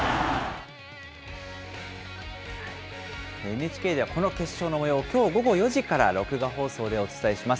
ＮＨＫではこの決勝のもようを、きょう午後４時から録画放送でお伝えします。